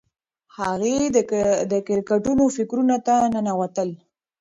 هغې د کرکټرونو فکرونو ته ننوتله.